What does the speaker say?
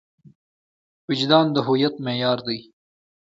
وجدان د هویت معیار دی.